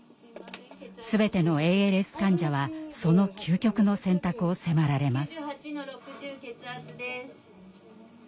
全てのＡＬＳ患者はその究極の選択を迫られます。